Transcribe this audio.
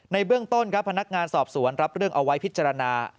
เบื้องต้นครับพนักงานสอบสวนรับเรื่องเอาไว้พิจารณา